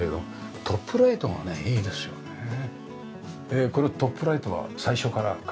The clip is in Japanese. これトップライトは最初から考えられてた？